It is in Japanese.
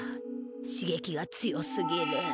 しげきが強すぎる。